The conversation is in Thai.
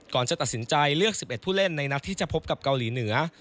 ก่อนจะตัดสินใจเลือก๑๑ผู้เล่นในนัดที่จะพบกับเกาหลีเหนือ